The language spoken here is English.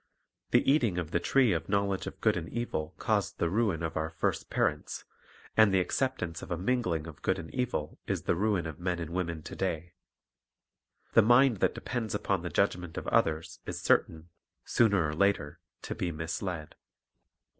The eating of the tree of knowl edge of good and evil caused the ruin of our first parents, and the acceptance of a mingling of good and evil is the ruin of men and women to day. The mind that depends upon the judgment of others is certain, sooner or later, to be misled.